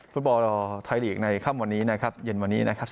ฟุตบอลรอไทยลีกในค่ำวันนี้นะครับเย็นวันนี้นะครับ